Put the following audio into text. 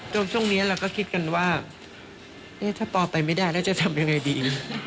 ช่วงนี้เราก็คิดกันว่าถ้าปอไปไม่ได้แล้วจะทำยังไงดี